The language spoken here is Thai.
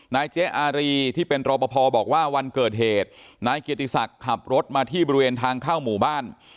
เจ๊อารีที่เป็นรอปภบอกว่าวันเกิดเหตุนายเกียรติศักดิ์ขับรถมาที่บริเวณทางเข้าหมู่บ้าน